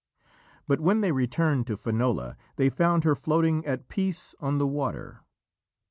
But when they returned to Finola, they found her floating at peace on the water.